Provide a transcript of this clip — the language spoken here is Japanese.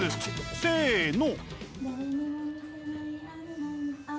せの。